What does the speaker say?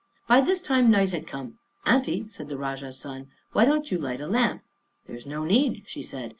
By this time night had come. "Aunty," said the Rajah's son, "why don't you light a lamp?" "There is no need," she said.